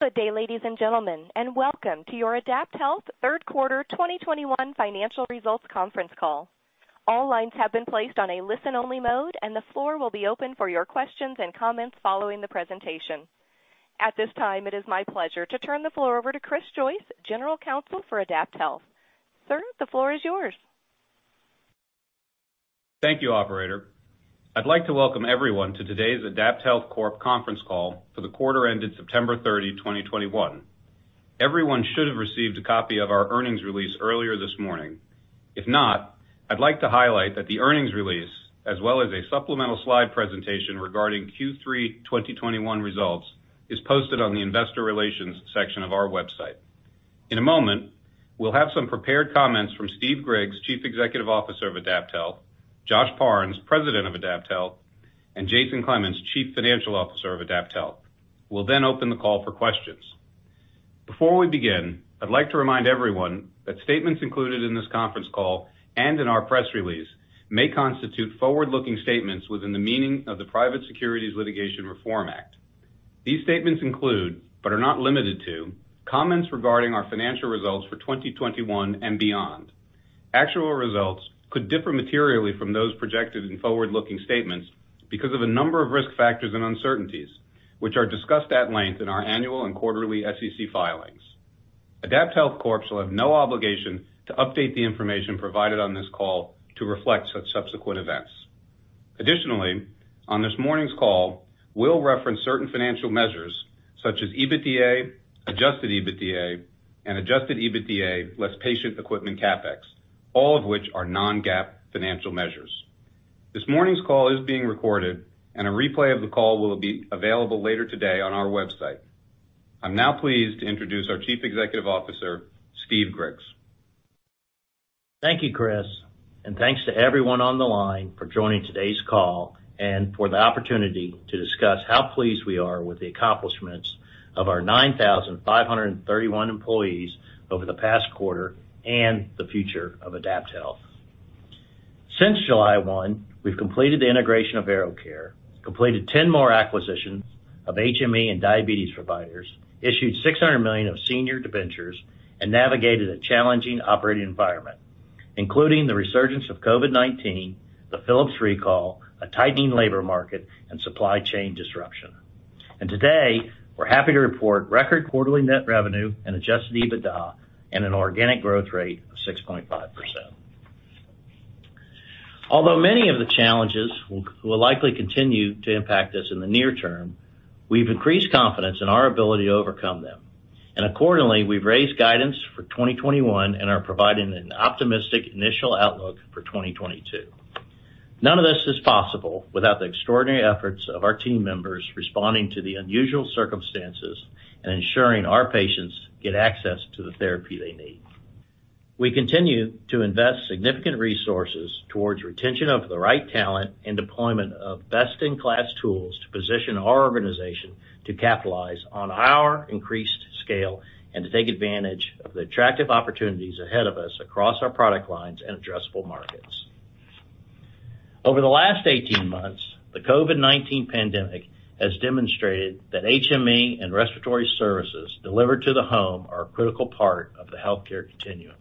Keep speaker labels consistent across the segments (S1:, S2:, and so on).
S1: Good day, ladies and gentlemen, and welcome to your AdaptHealth Third Quarter 2021 Financial Results Conference Call. All lines have been placed on a listen-only mode, and the floor will be open for your questions and comments following the presentation. At this time, it is my pleasure to turn the floor over to Chris Joyce, General Counsel for AdaptHealth. Sir, the floor is yours.
S2: Thank you, operator. I'd like to welcome everyone to today's AdaptHealth Corp. conference call for the quarter ended September 30, 2021. Everyone should have received a copy of our earnings release earlier this morning. If not, I'd like to highlight that the earnings release, as well as a supplemental slide presentation regarding Q3 2021 results, is posted on the investor relations section of our website. In a moment, we'll have some prepared comments from Steve Griggs, Chief Executive Officer of AdaptHealth, Josh Parnes, President of AdaptHealth, and Jason Clemens, Chief Financial Officer of AdaptHealth. We'll then open the call for questions. Before we begin, I'd like to remind everyone that statements included in this conference call and in our press release may constitute forward-looking statements within the meaning of the Private Securities Litigation Reform Act. These statements include, but are not limited to, comments regarding our financial results for 2021 and beyond. Actual results could differ materially from those projected in forward-looking statements because of a number of risk factors and uncertainties, which are discussed at length in our annual and quarterly SEC filings. AdaptHealth Corp shall have no obligation to update the information provided on this call to reflect such subsequent events. Additionally, on this morning's call, we'll reference certain financial measures such as EBITDA, adjusted EBITDA, and adjusted EBITDA less patient equipment CapEx, all of which are non-GAAP financial measures. This morning's call is being recorded, and a replay of the call will be available later today on our website. I'm now pleased to introduce our Chief Executive Officer, Steve Griggs.
S3: Thank you, Chris, and thanks to everyone on the line for joining today's call and for the opportunity to discuss how pleased we are with the accomplishments of our 9,531 employees over the past quarter and the future of AdaptHealth. Since July 1, we've completed the integration of AeroCare, completed 10 more acquisitions of HME and diabetes providers, issued $600 million of senior debentures, and navigated a challenging operating environment, including the resurgence of COVID-19, the Philips recall, a tightening labor market, and supply chain disruption. Today, we're happy to report record quarterly net revenue and adjusted EBITDA and an organic growth rate of 6.5%. Although many of the challenges will likely continue to impact us in the near term, we've increased confidence in our ability to overcome them. Accordingly, we've raised guidance for 2021 and are providing an optimistic initial outlook for 2022. None of this is possible without the extraordinary efforts of our team members responding to the unusual circumstances and ensuring our patients get access to the therapy they need. We continue to invest significant resources towards retention of the right talent and deployment of best-in-class tools to position our organization to capitalize on our increased scale and to take advantage of the attractive opportunities ahead of us across our product lines and addressable markets. Over the last 18 months, the COVID-19 pandemic has demonstrated that HME and respiratory services delivered to the home are a critical part of the healthcare continuum.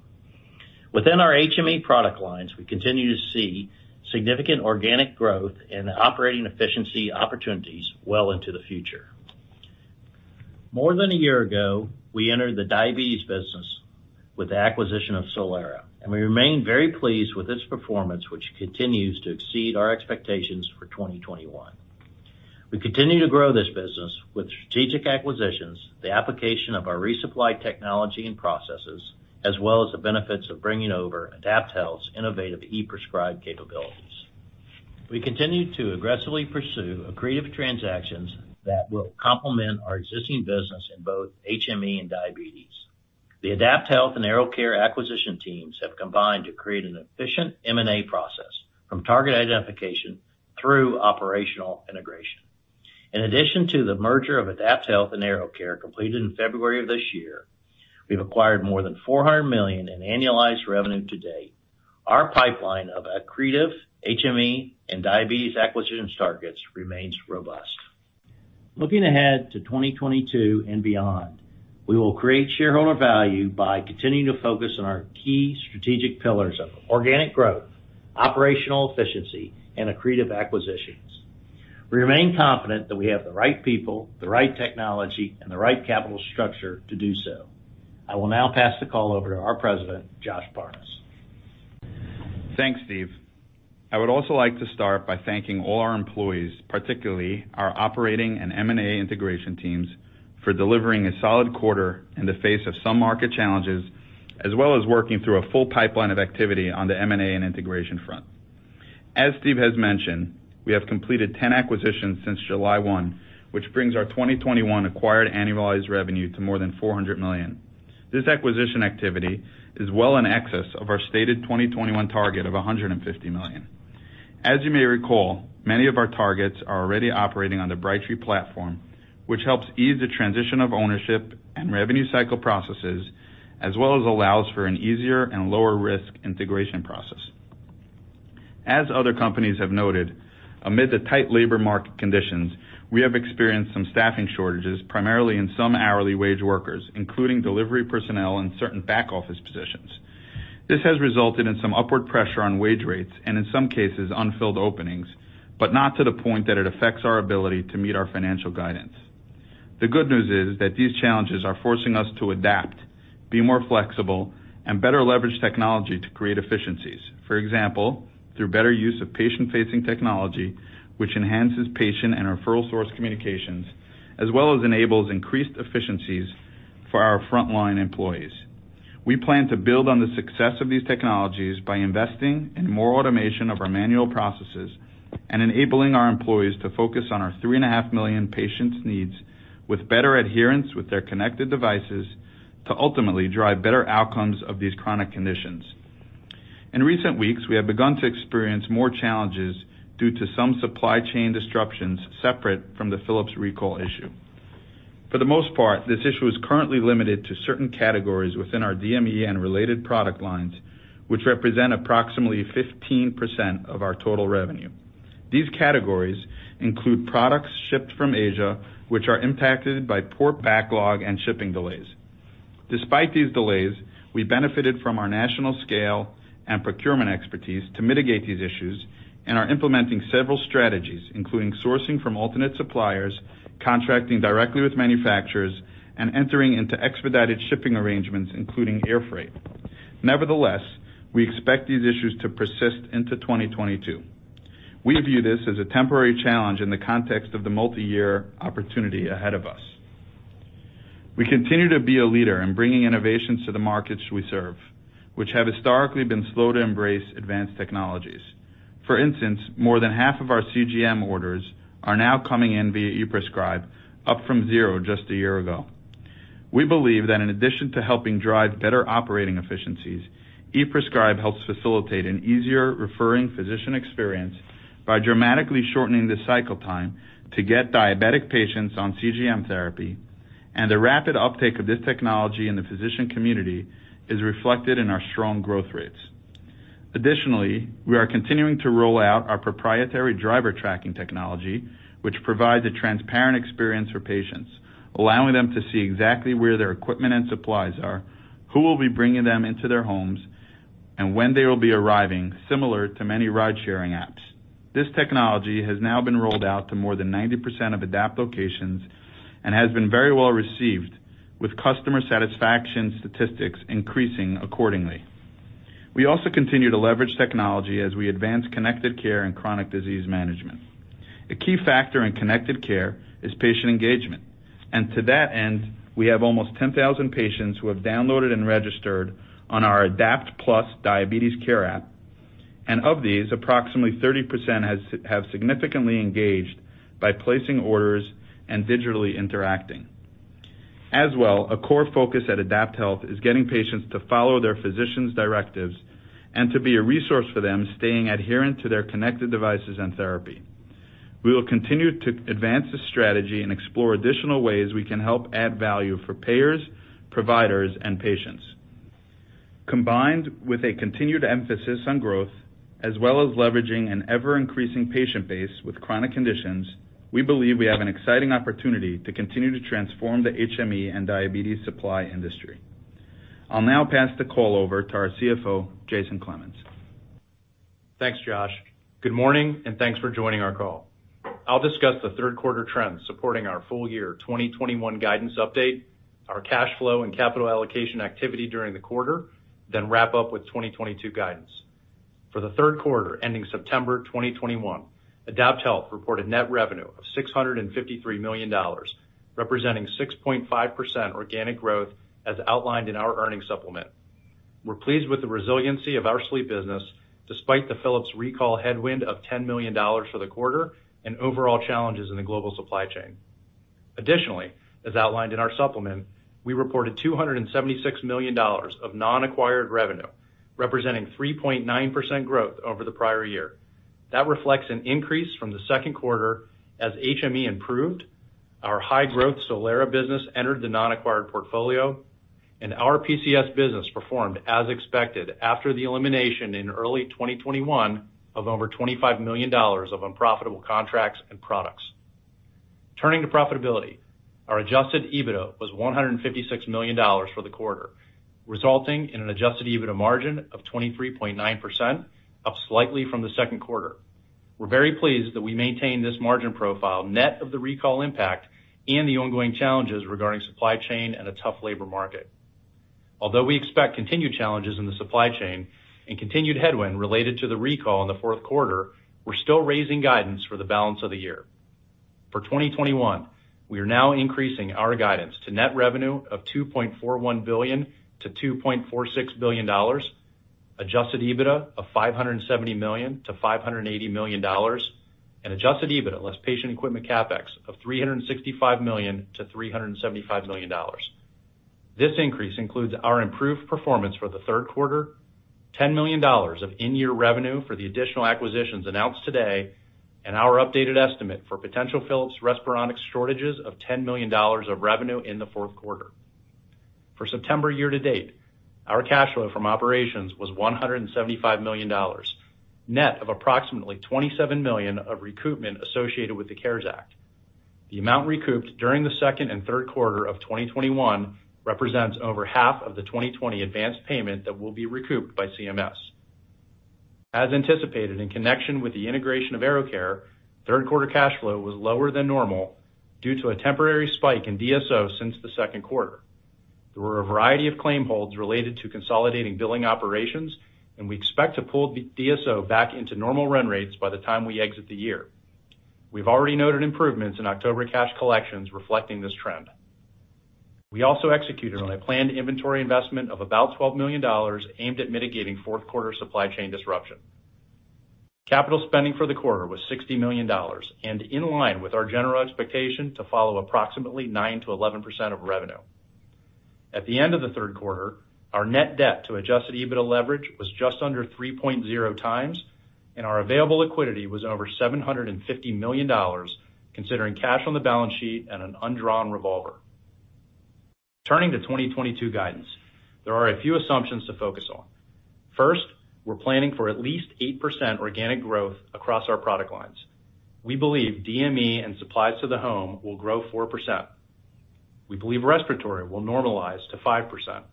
S3: Within our HME product lines, we continue to see significant organic growth and operating efficiency opportunities well into the future. More than a year ago, we entered the diabetes business with the acquisition of Solara, and we remain very pleased with its performance, which continues to exceed our expectations for 2021. We continue to grow this business with strategic acquisitions, the application of our resupply technology and processes, as well as the benefits of bringing over AdaptHealth's innovative e-prescribe capabilities. We continue to aggressively pursue accretive transactions that will complement our existing business in both HME and diabetes. The AdaptHealth and AeroCare acquisition teams have combined to create an efficient M&A process from target identification through operational integration. In addition to the merger of AdaptHealth and AeroCare completed in February of this year, we've acquired more than $400 million in annualized revenue to date. Our pipeline of accretive HME and diabetes acquisitions targets remains robust. Looking ahead to 2022 and beyond, we will create shareholder value by continuing to focus on our key strategic pillars of organic growth, operational efficiency, and accretive acquisitions. We remain confident that we have the right people, the right technology, and the right capital structure to do so. I will now pass the call over to our President, Josh Parnes.
S4: Thanks, Steve. I would also like to start by thanking all our employees, particularly our operating and M&A integration teams, for delivering a solid quarter in the face of some market challenges, as well as working through a full pipeline of activity on the M&A and integration front. As Steve has mentioned, we have completed 10 acquisitions since July 1, which brings our 2021 acquired annualized revenue to more than $400 million. This acquisition activity is well in excess of our stated 2021 target of $150 million. As you may recall, many of our targets are already operating on the Brightree platform, which helps ease the transition of ownership and revenue cycle processes, as well as allows for an easier and lower risk integration process. As other companies have noted, amid the tight labor market conditions, we have experienced some staffing shortages, primarily in some hourly wage workers, including delivery personnel and certain back-office positions. This has resulted in some upward pressure on wage rates and, in some cases, unfilled openings, but not to the point that it affects our ability to meet our financial guidance. The good news is that these challenges are forcing us to adapt, be more flexible, and better leverage technology to create efficiencies. For example, through better use of patient-facing technology, which enhances patient and referral source communications, as well as enables increased efficiencies for our frontline employees. We plan to build on the success of these technologies by investing in more automation of our manual processes and enabling our employees to focus on our 3.5 million patients' needs with better adherence with their connected devices to ultimately drive better outcomes of these chronic conditions. In recent weeks, we have begun to experience more challenges due to some supply chain disruptions separate from the Philips recall issue. For the most part, this issue is currently limited to certain categories within our DME and related product lines, which represent approximately 15% of our total revenue. These categories include products shipped from Asia, which are impacted by port backlog and shipping delays. Despite these delays, we benefited from our national scale and procurement expertise to mitigate these issues and are implementing several strategies, including sourcing from alternate suppliers, contracting directly with manufacturers, and entering into expedited shipping arrangements, including air freight. Nevertheless, we expect these issues to persist into 2022. We view this as a temporary challenge in the context of the multi-year opportunity ahead of us. We continue to be a leader in bringing innovations to the markets we serve, which have historically been slow to embrace advanced technologies. For instance, more than half of our CGM orders are now coming in via ePrescribe, up from zero just a year ago. We believe that in addition to helping drive better operating efficiencies, ePrescribe helps facilitate an easier referring physician experience by dramatically shortening the cycle time to get diabetic patients on CGM therapy, and the rapid uptake of this technology in the physician community is reflected in our strong growth rates. Additionally, we are continuing to roll out our proprietary driver tracking technology, which provides a transparent experience for patients, allowing them to see exactly where their equipment and supplies are, who will be bringing them into their homes, and when they will be arriving, similar to many ride-sharing apps. This technology has now been rolled out to more than 90% of AdaptHealth locations and has been very well received, with customer satisfaction statistics increasing accordingly. We also continue to leverage technology as we advance connected care and chronic disease management. A key factor in connected care is patient engagement, and to that end, we have almost 10,000 patients who have downloaded and registered on our Adapt Plus diabetes care app. Of these, approximately 30% have significantly engaged by placing orders and digitally interacting. As well, a core focus at AdaptHealth is getting patients to follow their physician's directives and to be a resource for them staying adherent to their connected devices and therapy. We will continue to advance this strategy and explore additional ways we can help add value for payers, providers, and patients. Combined with a continued emphasis on growth as well as leveraging an ever-increasing patient base with chronic conditions, we believe we have an exciting opportunity to continue to transform the HME and diabetes supply industry. I'll now pass the call over to our CFO, Jason Clemens.
S5: Thanks, Josh. Good morning, and thanks for joining our call. I'll discuss the third quarter trends supporting our full year 2021 guidance update, our cash flow, and capital allocation activity during the quarter, then wrap up with 2022 guidance. For the third quarter ending September 2021, AdaptHealth reported net revenue of $653 million, representing 6.5% organic growth as outlined in our earnings supplement. We're pleased with the resiliency of our sleep business despite the Philips recall headwind of $10 million for the quarter and overall challenges in the global supply chain. Additionally, as outlined in our supplement, we reported $276 million of non-acquired revenue, representing 3.9% growth over the prior year. That reflects an increase from the second quarter as HME improved, our high-growth Solara business entered the non-acquired portfolio, and our PCS business performed as expected after the elimination in early 2021 of over $25 million of unprofitable contracts and products. Turning to profitability, our adjusted EBITDA was $156 million for the quarter, resulting in an adjusted EBITDA margin of 23.9%, up slightly from the second quarter. We're very pleased that we maintained this margin profile net of the recall impact and the ongoing challenges regarding supply chain and a tough labor market. Although we expect continued challenges in the supply chain and continued headwind related to the recall in the fourth quarter, we're still raising guidance for the balance of the year. For 2021, we are now increasing our guidance to net revenue of $2.41 billion-$2.46 billion, adjusted EBITDA of $570 million-$580 million, and adjusted EBITDA less patient equipment CapEx of $365 million-$375 million. This increase includes our improved performance for the third quarter, $10 million of in-year revenue for the additional acquisitions announced today, and our updated estimate for potential Philips Respironics shortages of $10 million of revenue in the fourth quarter. For September year to date, our cash flow from operations was $175 million, net of approximately $27 million of recoupment associated with the CARES Act. The amount recouped during the second and third quarter of 2021 represents over half of the 2020 advanced payment that will be recouped by CMS. As anticipated, in connection with the integration of AeroCare, third quarter cash flow was lower than normal due to a temporary spike in DSO since the second quarter. There were a variety of claim holds related to consolidating billing operations, and we expect to pull DSO back into normal run rates by the time we exit the year. We've already noted improvements in October cash collections reflecting this trend. We also executed on a planned inventory investment of about $12 million aimed at mitigating fourth quarter supply chain disruption. Capital spending for the quarter was $60 million and in line with our general expectation to follow approximately 9%-11% of revenue. At the end of the third quarter, our net debt to adjusted EBITDA leverage was just under 3.0x, and our available liquidity was over $750 million, considering cash on the balance sheet and an undrawn revolver. Turning to 2022 guidance, there are a few assumptions to focus on. First, we're planning for at least 8% organic growth across our product lines. We believe DME and supplies to the home will grow 4%. We believe respiratory will normalize to 5%,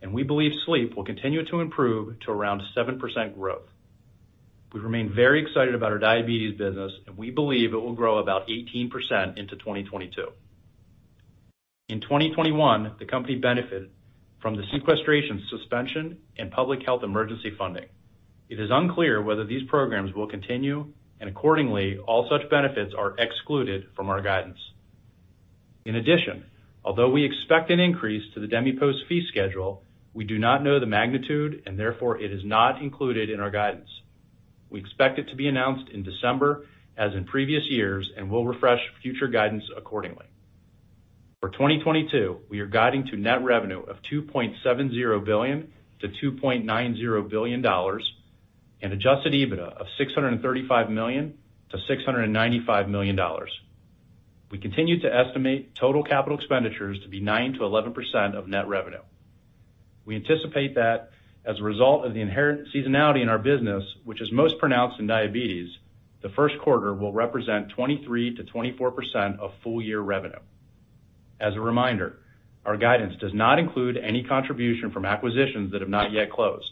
S5: and we believe sleep will continue to improve to around 7% growth. We remain very excited about our diabetes business, and we believe it will grow about 18% into 2022. In 2021, the company benefited from the sequestration suspension and public health emergency funding. It is unclear whether these programs will continue, and accordingly, all such benefits are excluded from our guidance. In addition, although we expect an increase to the DMEPOS fee schedule, we do not know the magnitude and therefore it is not included in our guidance. We expect it to be announced in December, as in previous years, and we'll refresh future guidance accordingly. For 2022, we are guiding to net revenue of $2.70 billion-$2.90 billion and adjusted EBITDA of $635 million-$695 million. We continue to estimate total capital expenditures to be 9%-11% of net revenue. We anticipate that as a result of the inherent seasonality in our business, which is most pronounced in diabetes, the first quarter will represent 23%-24% of full year revenue. As a reminder, our guidance does not include any contribution from acquisitions that have not yet closed.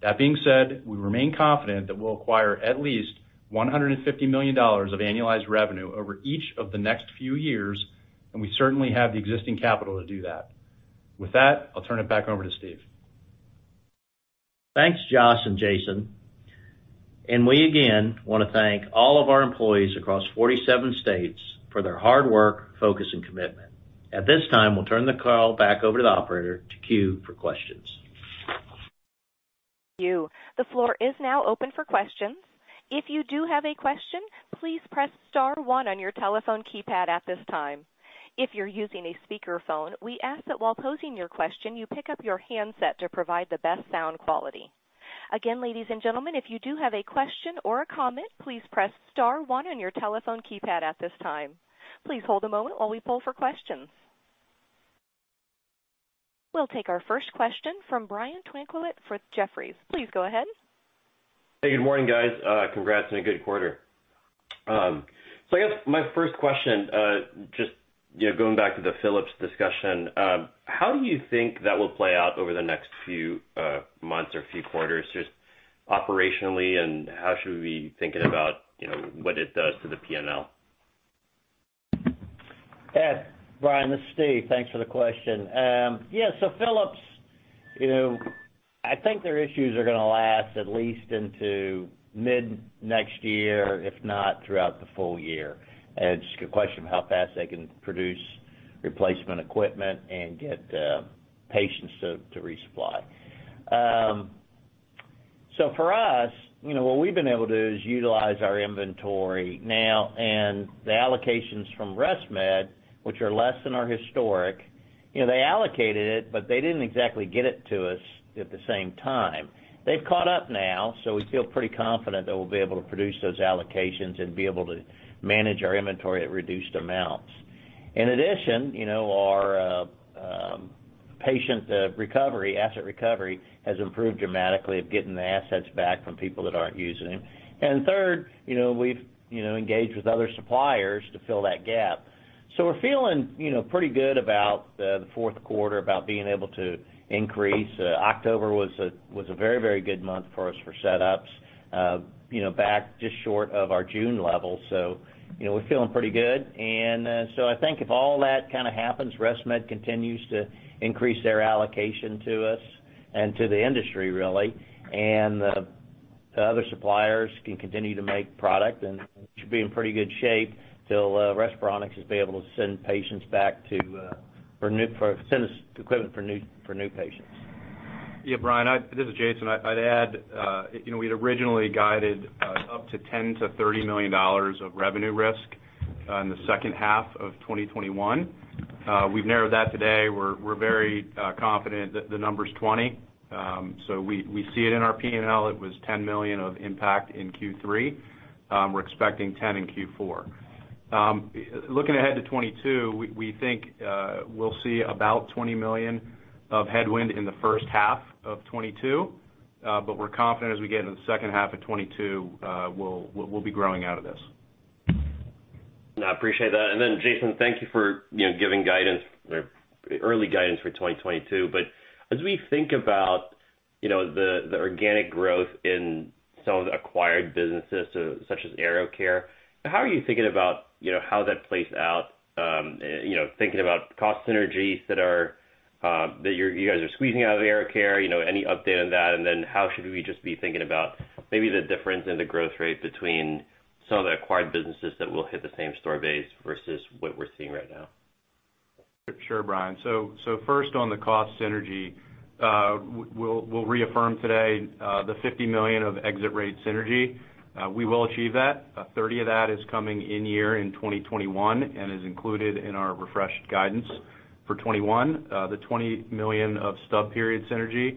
S5: That being said, we remain confident that we'll acquire at least $150 million of annualized revenue over each of the next few years, and we certainly have the existing capital to do that. With that, I'll turn it back over to Steve.
S3: Thanks, Josh and Jason. We again wanna thank all of our employees across 47 states for their hard work, focus and commitment. At this time, we'll turn the call back over to the operator to queue for questions.
S1: You. The floor is now open for questions. If you do have a question, please press star one on your telephone keypad at this time. If you're using a speakerphone, we ask that while posing your question, you pick up your handset to provide the best sound quality. Again, ladies and gentlemen, if you do have a question or a comment, please press star one on your telephone keypad at this time. Please hold a moment while we pull for questions. We'll take our first question from Brian Tanquilut for Jefferies. Please go ahead.
S6: Hey, good morning, guys. Congrats on a good quarter. I guess my first question, just, you know, going back to the Philips discussion, how do you think that will play out over the next few months or few quarters, just operationally, and how should we be thinking about, you know, what it does to the P&L?
S3: Yeah. Brian, this is Steve. Thanks for the question. Philips, you know, I think their issues are gonna last at least into mid next year, if not throughout the full year. It's just a question of how fast they can produce replacement equipment and get patients to resupply. For us, you know, what we've been able to do is utilize our inventory now and the allocations from ResMed, which are less than our historical. You know, they allocated it, but they didn't exactly get it to us at the same time. They've caught up now, so we feel pretty confident that we'll be able to produce those allocations and be able to manage our inventory at reduced amounts. In addition, you know, our patient recovery, asset recovery has improved dramatically in getting the assets back from people that aren't using them. Third, you know, we've engaged with other suppliers to fill that gap. We're feeling, you know, pretty good about the fourth quarter, about being able to increase. October was a very good month for us for setups, you know, back just short of our June level. You know, we're feeling pretty good. I think if all that kind of happens, ResMed continues to increase their allocation to us and to the industry really, and the other suppliers can continue to make product and should be in pretty good shape till Respironics is able to send us equipment for new patients.
S5: Yeah, Brian, this is Jason. I'd add, you know, we'd originally guided up to $10 million-$30 million of revenue risk in the second half of 2021. We've narrowed that today. We're very confident that the number's $20 million. So, we see it in our P&L. It was $10 million of impact in Q3. We're expecting $10 million in Q4. Looking ahead to 2022, we think we'll see about $20 million of headwind in the first half of 2022. We're confident as we get into the second half of 2022, we'll be growing out of this.
S6: No, I appreciate that. Then, Jason, thank you for, you know, giving guidance or early guidance for 2022. As we think about, you know, the organic growth in some of the acquired businesses, such as AeroCare, how are you thinking about, you know, how that plays out, you know, thinking about cost synergies that are, that you guys are squeezing out of AeroCare? You know, any update on that? Then how should we just be thinking about maybe the difference in the growth rate between some of the acquired businesses that will hit the same store base versus what we're seeing right now?
S5: Sure, Brian. First on the cost synergy, we'll reaffirm today the $50 million of exit rate synergy. We will achieve that. $30 million of that is coming in 2021 and is included in our refreshed guidance for 2021. The $20 million of stub period synergy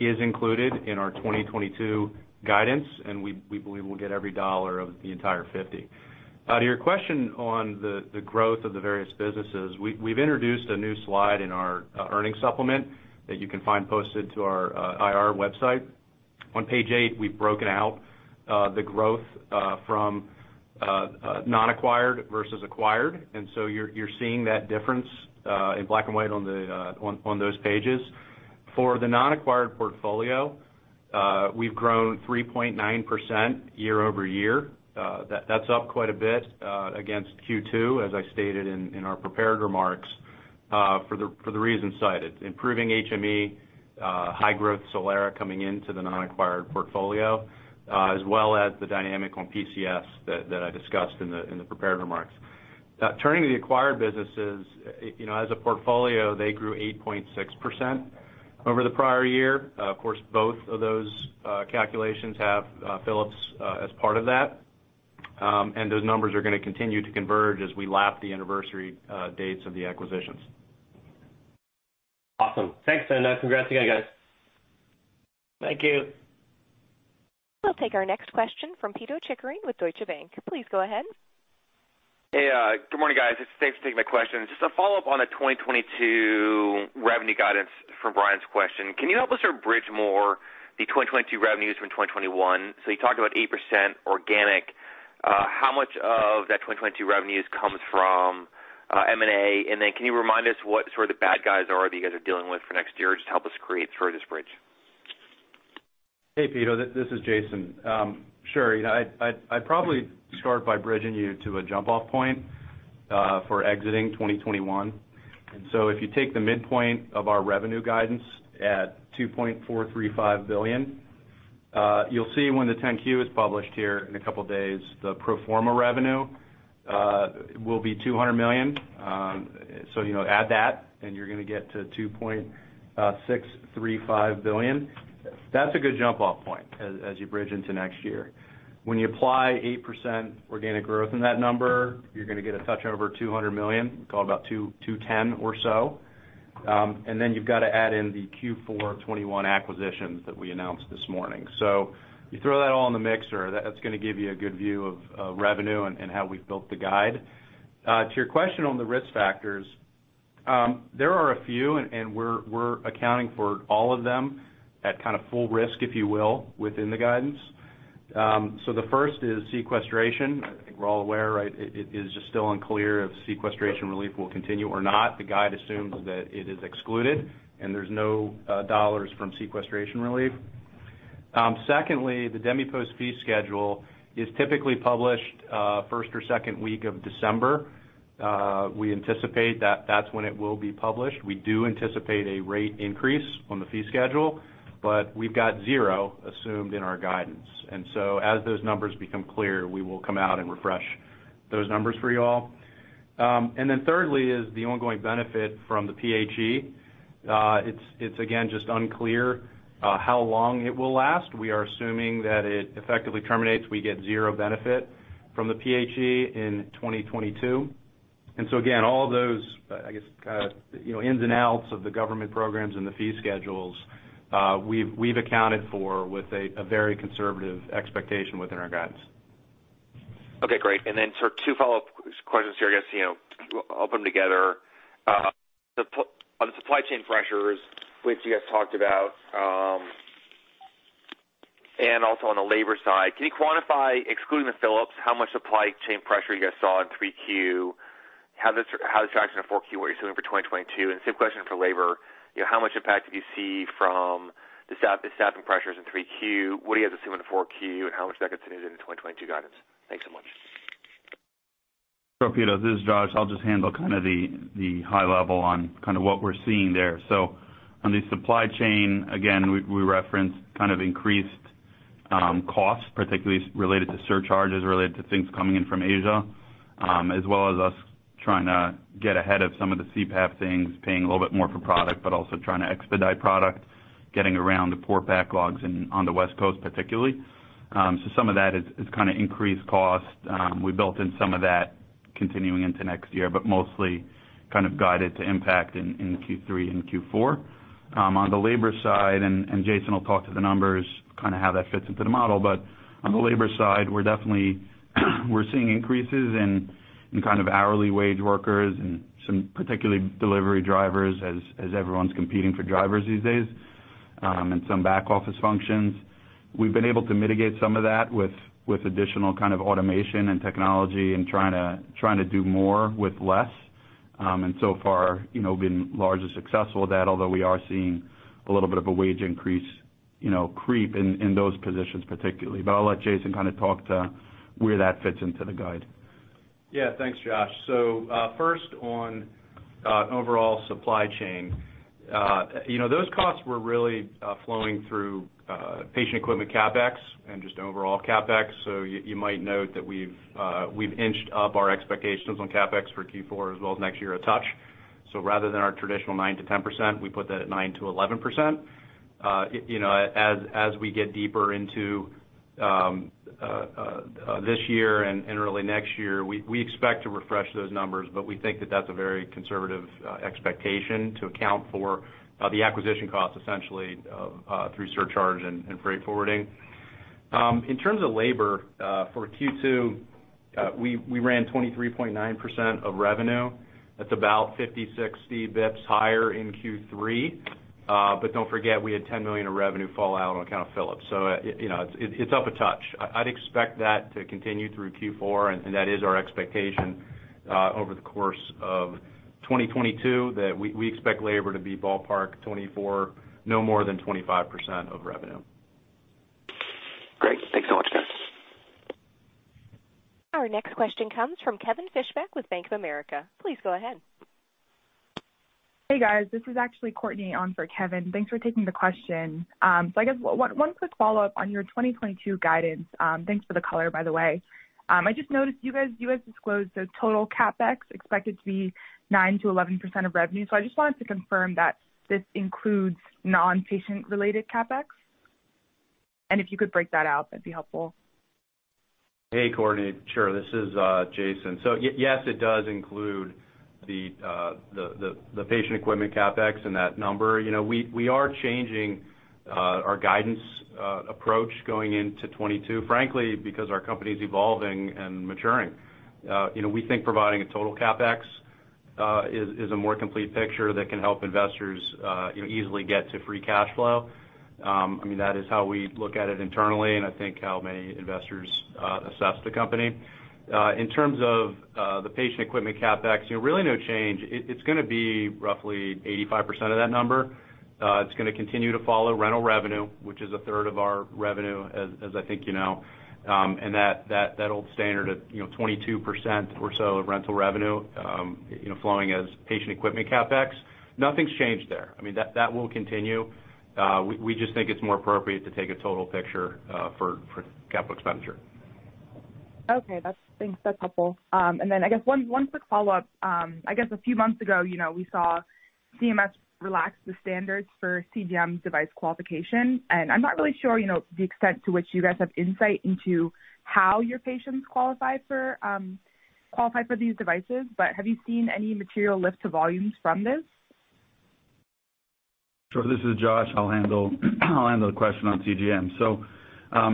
S5: is included in our 2022 guidance, and we believe we'll get every dollar of the entire $50 million. To your question on the growth of the various businesses. We've introduced a new slide in our earnings supplement that you can find posted to our IR website. On page eight, we've broken out the growth from non-acquired versus acquired. You're seeing that difference in black and white on those pages. For the non-acquired portfolio, we've grown 3.9% year-over-year. That's up quite a bit against Q2, as I stated in our prepared remarks for the reasons cited, improving HME high growth Solara coming into the non-acquired portfolio, as well as the dynamic on PCS that I discussed in the prepared remarks. Turning to the acquired businesses, you know, as a portfolio, they grew 8.6% over the prior year. Of course, both of those calculations have Philips as part of that. Those numbers are gonna continue to converge as we lap the anniversary dates of the acquisitions.
S6: Awesome. Thanks, and congrats again, guys.
S5: Thank you.
S1: We'll take our next question from Pito Chickering with Deutsche Bank. Please go ahead.
S7: Hey, good morning, guys. Thanks for taking my question. Just a follow-up on the 2022 revenue guidance from Brian's question. Can you help us sort of bridge more the 2022 revenues from 2021? You talked about 8% organic. How much of that 2022 revenues comes from M&A? And then can you remind us what sort of the bad guys are that you guys are dealing with for next year, just to help us create further this bridge?
S5: Hey, Pito, this is Jason. Sure. You know, I'd probably start by bridging you to a jump-off point for exiting 2021. If you take the midpoint of our revenue guidance at $2.435 billion, you'll see when the 10-Q is published here in a couple of days, the pro forma revenue will be $200 million. You know, add that and you're gonna get to $2.635 billion. That's a good jump-off point as you bridge into next year. When you apply 8% organic growth in that number, you're gonna get a touch over $200 million, call it about $210 million or so. You've got to add in the Q4 2021 acquisitions that we announced this morning. You throw that all in the mixer, that's gonna give you a good view of revenue and how we've built the guide. To your question on the risk factors, there are a few, and we're accounting for all of them at kind of full risk, if you will, within the guidance. The first is sequestration. I think we're all aware, right, it is just still unclear if sequestration relief will continue or not. The guide assumes that it is excluded and there's no dollars from sequestration relief. Secondly, the DMEPOS fee schedule is typically published first or second week of December. We anticipate that that's when it will be published. We do anticipate a rate increase on the fee schedule, but we've got zero assumed in our guidance. As those numbers become clear, we will come out and refresh those numbers for you all. Thirdly is the ongoing benefit from the PHE. It's again just unclear how long it will last. We are assuming that it effectively terminates. We get zero benefit from the PHE in 2022. Again, all those, I guess, you know, ins and outs of the government programs and the fee schedules, we've accounted for with a very conservative expectation within our guidance.
S7: Okay, great. Sort of two follow-up questions here, I guess, you know, I'll put them together. On the supply chain pressures, which you guys talked about, and also on the labor side. Can you quantify, excluding the Philips, how much supply chain pressure you guys saw in 3Q? How does it factor in the 4Q, what you're assuming for 2022? And same question for labor. You know, how much impact do you see from the staffing pressures in 3Q? What are you guys assuming for 4Q, and how much of that gets seen in the 2022 guidance? Thanks so much.
S4: Sure, Pito. This is Josh. I'll just handle kind of the high level on kind of what we're seeing there. On the supply chain, again, we referenced kind of increased costs, particularly related to surcharges, related to things coming in from Asia, as well as us trying to get ahead of some of the CPAP things, paying a little bit more for product, but also trying to expedite product. Getting around the port backlogs in on the West Coast particularly. So, some of that is kind of increased cost. We built in some of that continuing into next year, but mostly kind of guided to impact in Q3 and Q4. On the labor side, Jason will talk to the numbers, kind of how that fits into the model. But on the labor side, we're definitely seeing increases in kind of hourly wage workers and some particularly delivery drivers as everyone's competing for drivers these days, and some back-office functions. We've been able to mitigate some of that with additional kind of automation and technology and trying to do more with less. So far, you know, we've been largely successful with that, although we are seeing a little bit of a wage increase, you know, creep in those positions particularly. I'll let Jason kind of talk to where that fits into the guide.
S5: Yeah. Thanks, Josh. First on overall supply chain. You know, those costs were really flowing through patient equipment CapEx and just overall CapEx. You might note that we've inched up our expectations on CapEx for Q4 as well as next year a touch. Rather than our traditional 9%-10%, we put that at 9%-11%. You know, as we get deeper into this year and early next year, we expect to refresh those numbers, but we think that that's a very conservative expectation to account for the acquisition costs essentially through surcharge and freight forwarding. In terms of labor, for Q2, we ran 23.9% of revenue. That's about 50, 60 basis points higher in Q3. Don't forget, we had $10 million of revenue fall out on account of Philips. You know, it's up a touch. I'd expect that to continue through Q4, and that is our expectation over the course of 2022, that we expect labor to be ballpark 24, no more than 25% of revenue.
S7: Great. Thanks so much, guys.
S1: Our next question comes from Kevin Fischbeck with Bank of America. Please go ahead.
S8: Hey, guys, this is actually Courtney on for Kevin. Thanks for taking the question. I guess one quick follow-up on your 2022 guidance. Thanks for the color, by the way. I just noticed you guys disclosed the total CapEx expected to be 9%-11% of revenue. I just wanted to confirm that this includes non-patient related CapEx? And if you could break that out, that'd be helpful.
S5: Hey, Courtney. Sure. This is Jason. Yes, it does include the patient equipment CapEx in that number. You know, we are changing our guidance approach going into 2022, frankly, because our company's evolving and maturing. You know, we think providing a total CapEx is a more complete picture that can help investors, you know, easily get to free cash flow. I mean, that is how we look at it internally, and I think how many investors assess the company. In terms of the patient equipment CapEx, you know, really no change. It's gonna be roughly 85% of that number. It's gonna continue to follow rental revenue, which is a third of our revenue, as I think you know, and that old standard of, you know, 22% or so of rental revenue, you know, flowing as patient equipment CapEx. Nothing's changed there. I mean, that will continue. We just think it's more appropriate to take a total picture for capital expenditure.
S8: Okay. Thanks. That's helpful. I guess one quick follow-up. I guess a few months ago, you know, we saw CMS relax the standards for CGM device qualification, and I'm not really sure, you know, the extent to which you guys have insight into how your patients qualify for these devices. But have you seen any material lift to volumes from this?
S4: Sure. This is Josh. I'll handle the question on CGM.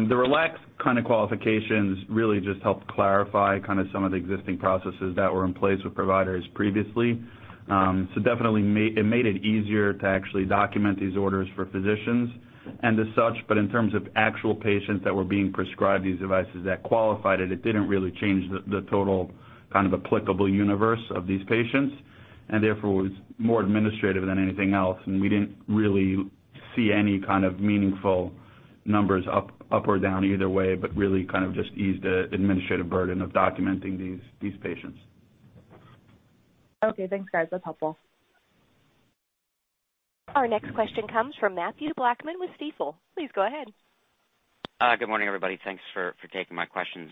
S4: The relaxed kind of qualifications really just helped clarify kind of some of the existing processes that were in place with providers previously. It made it easier to actually document these orders for physicians and as such, but in terms of actual patients that were being prescribed these devices that qualified it didn't really change the total kind of applicable universe of these patients and therefore was more administrative than anything else. We didn't really see any kind of meaningful numbers up or down either way, but really kind of just eased the administrative burden of documenting these patients.
S8: Okay. Thanks, guys. That's helpful.
S1: Our next question comes from Mathew Blackman with Stifel. Please go ahead.
S9: Good morning, everybody. Thanks for taking my questions.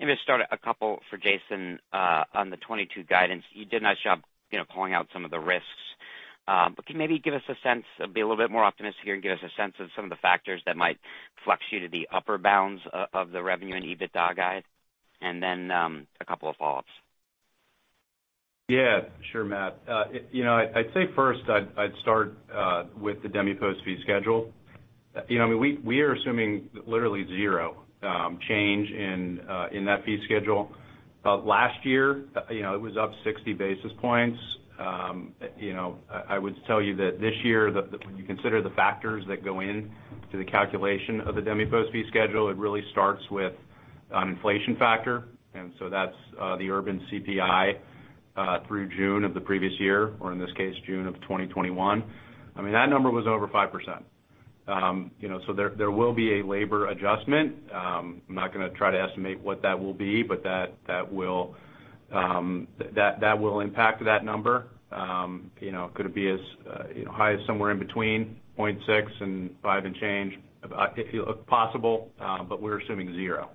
S9: Maybe start a couple for Jason on the 2022 guidance. You did a nice job, you know, pulling out some of the risks. Can you maybe give us a sense, be a little bit more optimistic here and give us a sense of some of the factors that might fluctuate to the upper bounds of the revenue and EBITDA guide? A couple of follow-ups.
S5: Yeah. Sure, Mathew. You know, I'd say first, I'd start with the DMEPOS fee schedule. You know, I mean, we are assuming literally zero change in that fee schedule. Last year, you know, it was up 60 basis points. You know, I would tell you that this year, when you consider the factors that go into the calculation of the DMEPOS fee schedule, it really starts with an inflation factor. That's the CPI-U through June of the previous year, or in this case, June of 2021. I mean, that number was over 5%. You know, so there will be a labor adjustment. I'm not gonna try to estimate what that will be, but that will impact that number. You know, could it be as high as somewhere in between 0.6 and 0.5 and change? It feels possible, but we're assuming zero.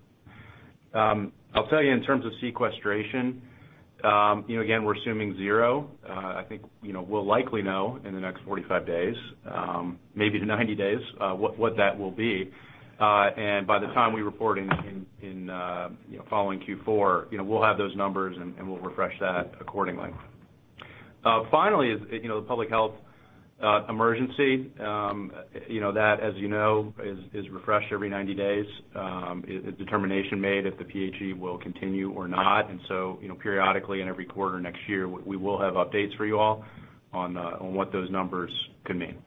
S5: I'll tell you in terms of sequestration, you know, again, we're assuming zero. I think, you know, we'll likely know in the next 45 days, maybe to 90 days, what that will be. And by the time we report in following Q4, you know, we'll have those numbers and we'll refresh that accordingly. Finally is, you know, the public health emergency. You know that, as you know, is refreshed every 90 days. A determination made if the PHE will continue or not. You know, periodically in every quarter next year, we will have updates for you all on what those numbers could mean.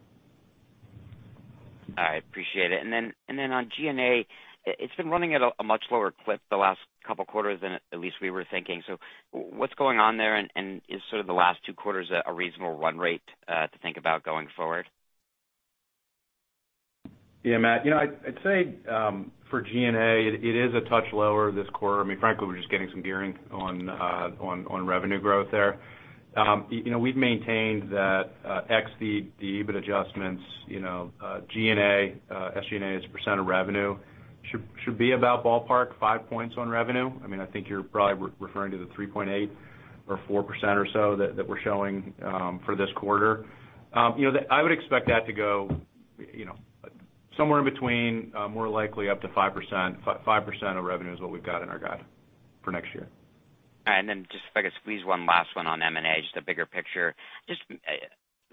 S9: I appreciate it. On G&A, it's been running at a much lower clip the last couple quarters than at least we were thinking. What's going on there, and is sort of the last two quarters a reasonable run rate to think about going forward?
S5: Yeah, Mathew. You know, I'd say, for G&A, it is a touch lower this quarter. I mean, frankly, we're just getting some gearing on revenue growth there. You know, we've maintained that ex the EBITDA adjustments, you know, G&A, SG&A as a percent of revenue should be about ballpark five points on revenue. I mean, I think you're probably referring to the 3.8% or 4% or so that we're showing for this quarter. You know, I would expect that to go, you know, somewhere in between, more likely up to 5%. 5% of revenue is what we've got in our guide for next year.
S9: Just if I could squeeze one last one on M&A, just a bigger picture. Just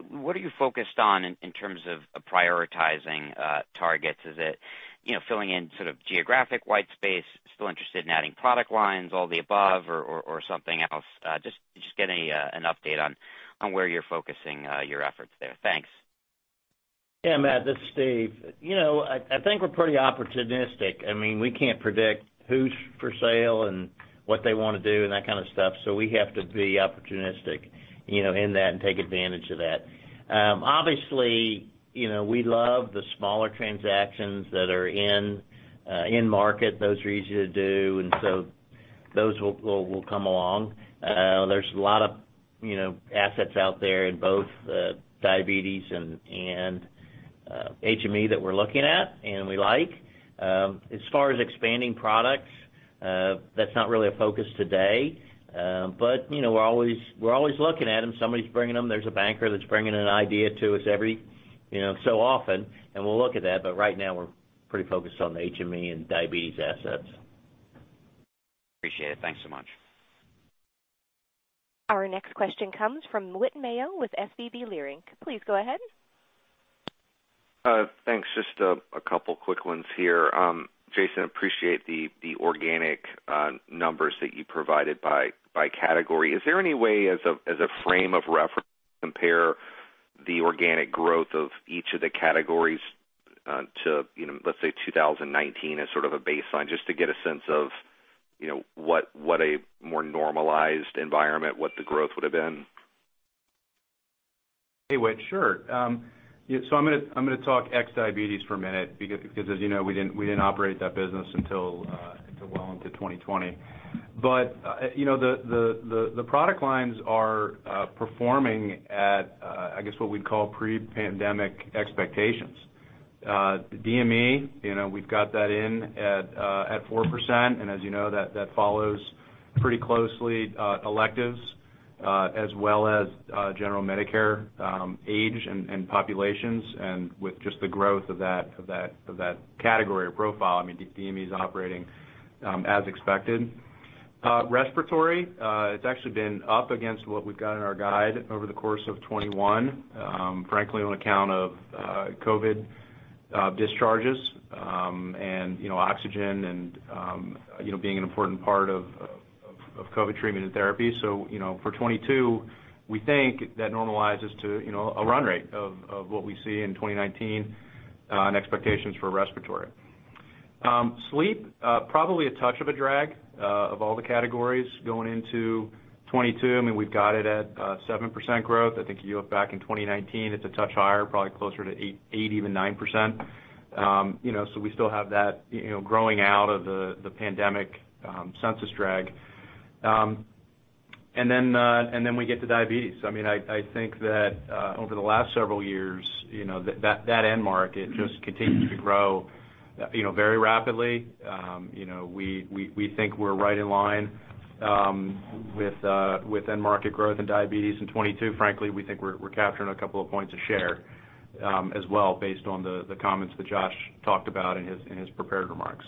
S9: what are you focused on in terms of prioritizing targets? Is it, you know, filling in sort of geographic white space, still interested in adding product lines, all the above or something else? Just get an update on where you're focusing your efforts there. Thanks.
S3: Yeah, Mathew, this is Steve. You know, I think we're pretty opportunistic. I mean, we can't predict who's for sale and what they wanna do and that kind of stuff. So, we have to be opportunistic, you know, in that and take advantage of that. Obviously, you know, we love the smaller transactions that are in market. Those are easy to do, and so those will come along. There's a lot of, you know, assets out there in both diabetes and HME that we're looking at and we like. As far as expanding products, that's not really a focus today. You know, we're always looking at them. Somebody's bringing them. There's a banker that's bringing an idea to us every, you know, so often, and we'll look at that. Right now, we're pretty focused on the HME and diabetes assets.
S9: Appreciate it. Thanks so much.
S1: Our next question comes from Whit Mayo with SVB Leerink. Please go ahead.
S10: Thanks. Just a couple quick ones here. Jason, appreciate the organic numbers that you provided by category. Is there any way as a frame of reference to compare the organic growth of each of the categories to, you know, let's say, 2019 as sort of a baseline, just to get a sense of, you know, what a more normalized environment, what the growth would have been?
S5: Hey, Whit. Sure. Yeah, so I'm gonna talk ex diabetes for a minute because as you know, we didn't operate that business until well into 2020. You know, the product lines are performing at, I guess, what we'd call pre-pandemic expectations. DME, you know, we've got that in at 4%. As you know, that follows pretty closely electives, as well as general Medicare age and populations. With just the growth of that category or profile, I mean, DME is operating as expected. Respiratory, it's actually been up against what we've got in our guide over the course of 2021, frankly, on account of COVID discharges, and you know, oxygen and you know, being an important part of COVID treatment and therapy. For 2022, we think that normalizes to you know, a run rate of what we see in 2019 and expectations for respiratory. Sleep probably a touch of a drag of all the categories going into 2022. I mean, we've got it at 7% growth. I think if you look back in 2019, it's a touch higher, probably closer to eight, even 9%. You know, we still have that you know, growing out of the pandemic census drag. We get to diabetes. I mean, I think that over the last several years, you know, that end market just continues to grow, you know, very rapidly. You know, we think we're right in line with end market growth in diabetes in 2022. Frankly, we think we're capturing a couple of points of share as well based on the comments that Josh talked about in his prepared remarks.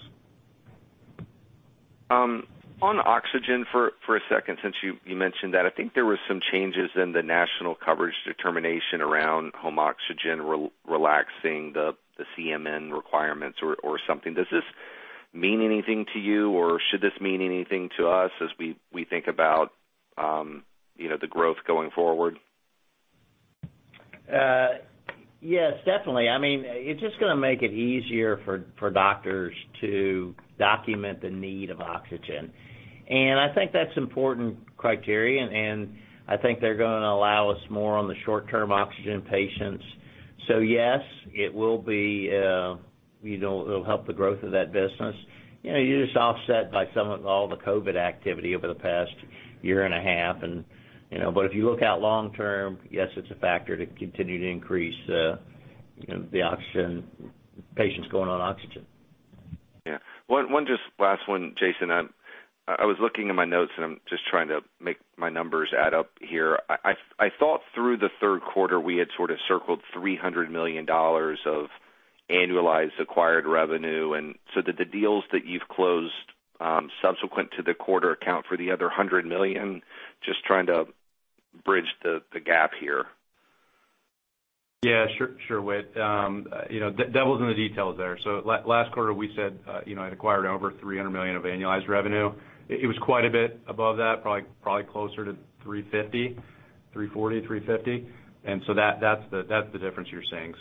S10: On oxygen for a second, since you mentioned that. I think there were some changes in the national coverage determination around home oxygen relaxing the CMN requirements or something. Does this mean anything to you, or should this mean anything to us as we think about, you know, the growth going forward?
S3: Yes, definitely. I mean, it's just gonna make it easier for doctors to document the need for oxygen. I think that's important criterion, and I think they're gonna allow us more on the short-term oxygen patients. Yes, it will be, you know, it'll help the growth of that business. You know, we're just offset by some of the COVID activity over the past year and a half, you know. If you look out long term, yes, it's a factor to continue to increase. You know, the oxygen, patients going on oxygen.
S10: Yeah. Just one last one, Jason. I was looking at my notes, and I'm just trying to make my numbers add up here. I thought through the third quarter, we had sort of circled $300 million of annualized acquired revenue. Did the deals that you've closed subsequent to the quarter account for the other $100 million? Just trying to bridge the gap here.
S5: Yeah. Sure, Whit. [inaudible] in the details there. Last quarter, we said it acquired over $300 million of annualized revenue. It was quite a bit above that, probably closer to $350 million, $340 million, $350 million. That's the difference you're seeing.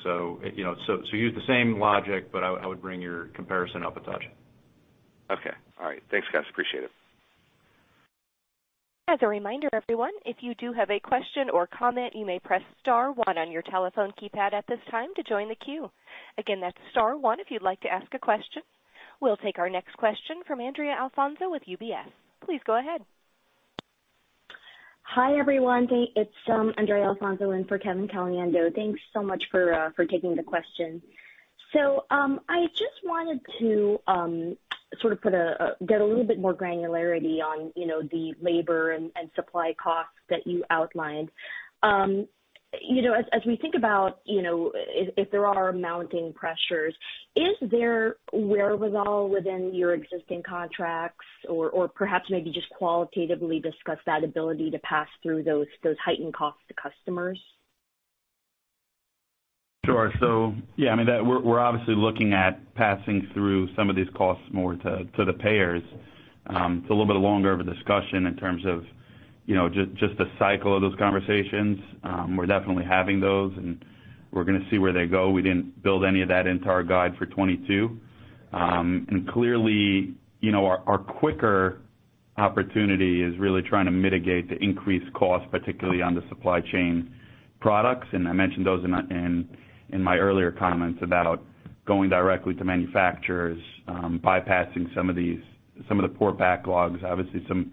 S5: Use the same logic, but I would bring your comparison up a touch.
S10: Okay. All right. Thanks, guys. Appreciate it.
S1: As a reminder, everyone, if you do have a question or comment, you may press star one on your telephone keypad at this time to join the queue. Again, that's star one if you'd like to ask a question. We'll take our next question from Andrea Alfonso with UBS. Please go ahead.
S11: Hi, everyone. It's Andrea Alfonso in for Kevin Caliendo. Thanks so much for taking the question. I just wanted to sort of get a little bit more granularity on, you know, the labor and supply costs that you outlined. You know, as we think about, you know, if there are mounting pressures, is there wherewithal within your existing contracts or perhaps maybe just qualitatively discuss that ability to pass through those heightened costs to customers?
S4: Sure. Yeah, I mean, that we're obviously looking at passing through some of these costs more to the payers. It's a little bit longer of a discussion in terms of, you know, just the cycle of those conversations. We're definitely having those, and we're gonna see where they go. We didn't build any of that into our guide for 2022. Clearly, you know, our quicker opportunity is really trying to mitigate the increased cost, particularly on the supply chain products. I mentioned those in my earlier comments about going directly to manufacturers, bypassing some of the port backlogs. Obviously some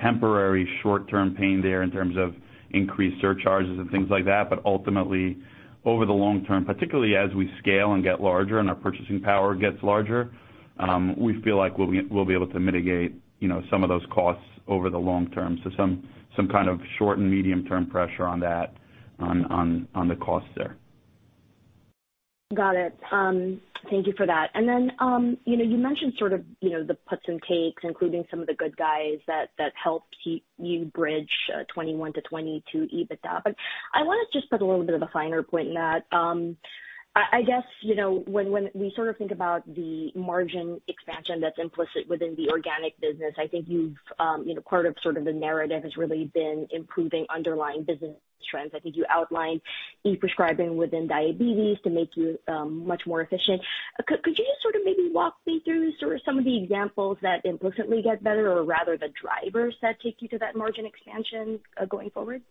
S4: temporary short-term pain there in terms of increased surcharges and things like that. Ultimately, over the long term, particularly as we scale and get larger and our purchasing power gets larger, we feel like we'll be able to mitigate, you know, some of those costs over the long term. Some kind of short and medium-term pressure on that on the costs there.
S11: Got it. Thank you for that. Then, you know, you mentioned sort of, you know, the puts and takes, including some of the good guys that helped keep you bridge 2021-2022 EBITDA. I wanna just put a little bit of a finer point in that. I guess, you know, when we sort of think about the margin expansion that's implicit within the organic business, I think you've, you know, part of sort of the narrative has really been improving underlying business trends. I think you outlined e-prescribing within diabetes to make you much more efficient. Could you just sort of maybe walk me through sort of some of the examples that implicitly get better or rather the drivers that take you to that margin expansion going forward?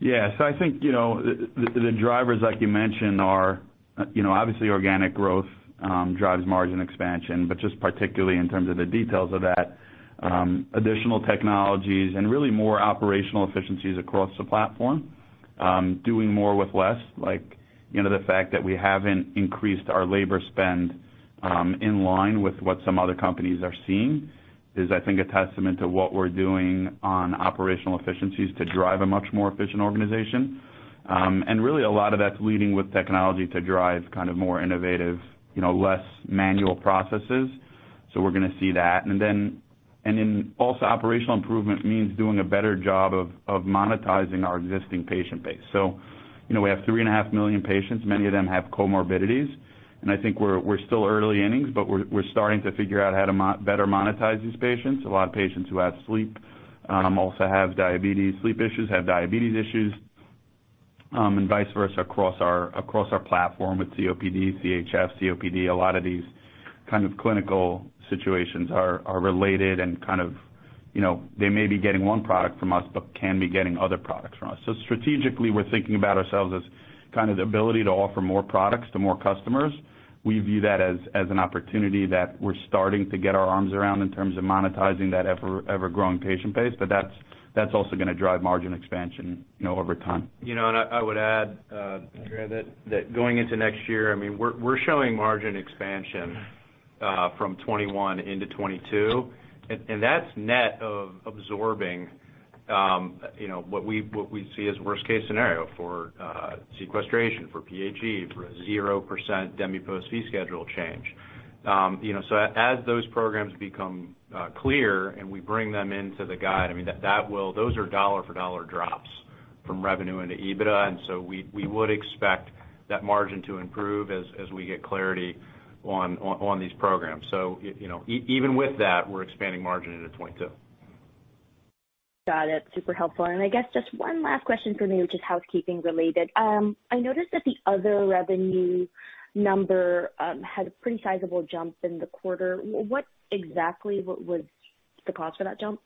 S4: I think the drivers like you mentioned are obviously organic growth drives margin expansion, but just particularly in terms of the details of that, additional technologies and really more operational efficiencies across the platform. Doing more with less, the fact that we haven't increased our labor spend in line with what some other companies are seeing is, I think, a testament to what we're doing on operational efficiencies to drive a much more efficient organization. And really a lot of that's leading with technology to drive kind of more innovative less manual processes. We're gonna see that. Also operational improvement means doing a better job of monetizing our existing patient base. We have 3.5 million patients. Many of them have comorbidities. I think we're still early innings, but we're starting to figure out how to better monetize these patients. A lot of patients who have sleep issues also have diabetes issues, and vice versa across our platform with COPD, CHF. A lot of these kind of clinical situations are related and kind of, you know, they may be getting one product from us but can be getting other products from us. So strategically, we're thinking about ourselves as kind of the ability to offer more products to more customers. We view that as an opportunity that we're starting to get our arms around in terms of monetizing that ever-growing patient base. But that's also gonna drive margin expansion, you know, over time.
S5: You know, I would add, Andrea, that going into next year, I mean, we're showing margin expansion from 2021 into 2022, and that's net of absorbing, you know, what we see as worst case scenario for sequestration, for PHE, for a 0% DMEPOS fee schedule change. You know, so as those programs become clear and we bring them into the guide, I mean, that will. Those are dollar for dollar drops from revenue into EBITDA. We would expect that margin to improve as we get clarity on these programs. You know, even with that, we're expanding margin into 2022.
S11: Got it. Super helpful. I guess just one last question for me, which is housekeeping related. I noticed that the other revenue number had a pretty sizable jump in the quarter. What exactly was the cause for that jump?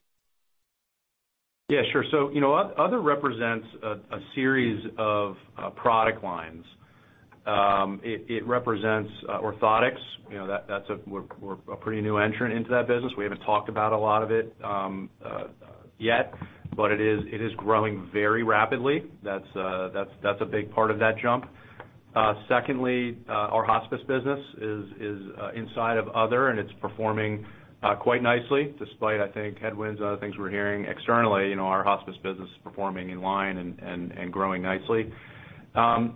S4: Yeah, sure. You know, other represents a series of product lines. It represents orthotics. You know, we're a pretty new entrant into that business. We haven't talked about a lot of it yet, but it is growing very rapidly. That's a big part of that jump. Secondly, our hospice business is inside of other, and it's performing quite nicely despite, I think, headwinds and other things we're hearing externally. You know, our hospice business is performing in line and growing nicely.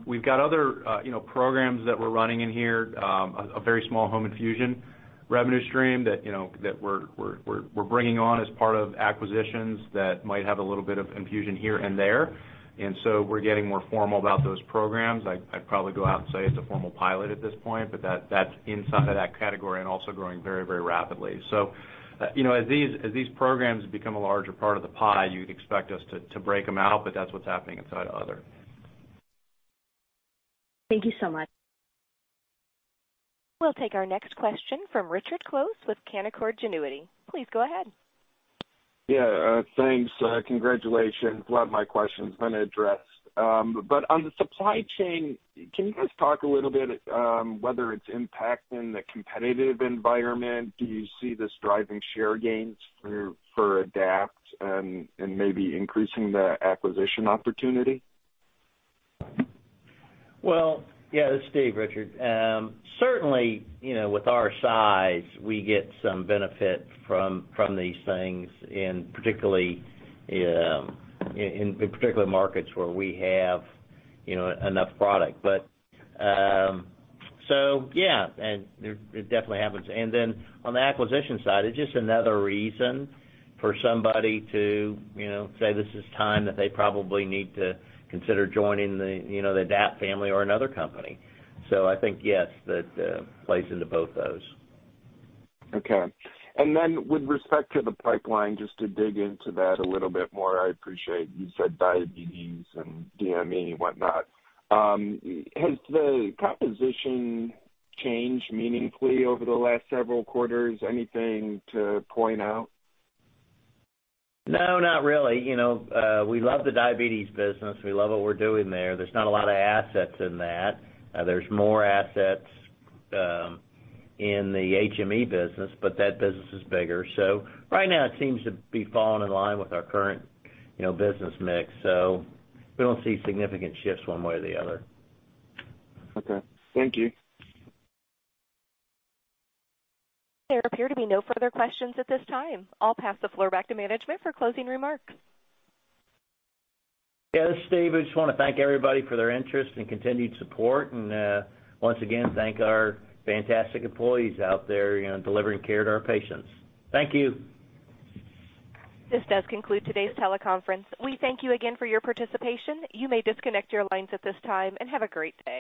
S4: We've got other, you know, programs that we're running in here. A very small home infusion revenue stream that, you know, that we're bringing on as part of acquisitions that might have a little bit of infusion here and there. We're getting more formal about those programs. I'd probably go out and say it's a formal pilot at this point, but that's inside of that category and also growing very, very rapidly. You know, as these programs become a larger part of the pie, you'd expect us to break them out, but that's what's happening inside other.
S11: Thank you so much.
S1: We'll take our next question from Richard Close with Canaccord Genuity. Please go ahead.
S12: Yeah, thanks. Congratulations. A lot of my question's been addressed. On the supply chain, can you guys talk a little bit whether it's impacting the competitive environment? Do you see this driving share gains for Adapt and maybe increasing the acquisition opportunity?
S3: Well, yeah. This is Steve, Richard. Certainly, you know, with our size, we get some benefit from these things, and particularly in particular markets where we have, you know, enough product. Yeah, and it definitely happens. On the acquisition side, it's just another reason for somebody to, you know, say this is time that they probably need to consider joining the, you know, the Adapt family or another company. I think, yes, that plays into both those.
S12: Okay. With respect to the pipeline, just to dig into that a little bit more, I appreciate you said diabetes and DME and whatnot. Has the composition changed meaningfully over the last several quarters? Anything to point out?
S3: No, not really. You know, we love the diabetes business. We love what we're doing there. There's not a lot of assets in that. There's more assets in the HME business, but that business is bigger. So right now, it seems to be falling in line with our current, you know, business mix. So we don't see significant shifts one way or the other.
S12: Okay. Thank you.
S1: There appear to be no further questions at this time. I'll pass the floor back to management for closing remarks.
S3: Yeah, this is Steve. I just wanna thank everybody for their interest and continued support, and once again, thank our fantastic employees out there, you know, delivering care to our patients. Thank you.
S1: This does conclude today's teleconference. We thank you again for your participation. You may disconnect your lines at this time, and have a great day.